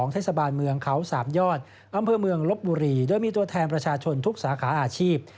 เทศบาลเมืองเขาสามยอดอำเภอเมืองลบบุรีโดยมีตัวแทนประชาชนทุกสาขาอาชีพ